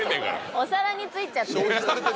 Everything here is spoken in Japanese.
お皿に付いちゃってる。